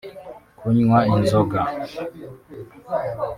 kunywa inzoga